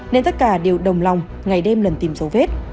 nên tất cả đều đồng lòng ngày đêm lần tìm dấu vết